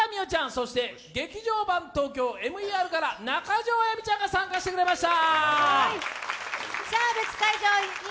そして「劇場版ＴＯＫＹＯＭＥＲ」から中条あやみちゃんが参加してくれました。